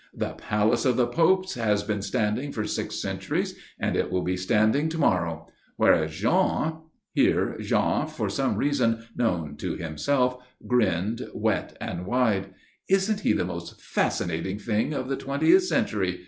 "The Palace of the Popes has been standing for six centuries, and it will be still standing to morrow; whereas Jean " Here Jean, for some reason known to himself, grinned wet and wide. "Isn't he the most fascinating thing of the twentieth century?"